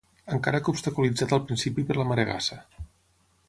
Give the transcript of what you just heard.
Encara que obstaculitzat al principi per la maregassa.